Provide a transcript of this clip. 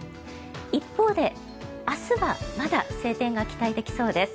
一方で、明日はまだ晴天が期待できそうです。